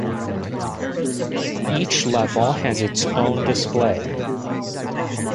Each level has its own display.